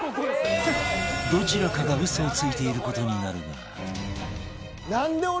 どちらかが嘘をついている事になるが